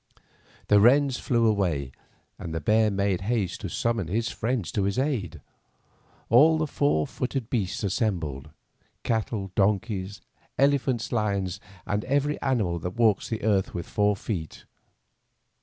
The wrens flew away, and the bear made haste to summon his friends to his aid. All the four footed beasts assembled — cattle, donkeys, elephants, lions, and every animal that walks the earth with four feet.